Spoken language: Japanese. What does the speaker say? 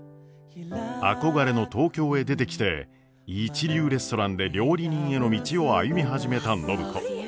憧れの東京へ出てきて一流レストランで料理人への道を歩み始めた暢子。